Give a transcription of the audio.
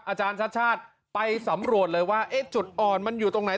อาจารย์ชาติชาติไปสำรวจเลยว่าจุดอ่อนมันอยู่ตรงไหน